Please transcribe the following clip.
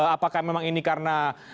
apakah memang ini karena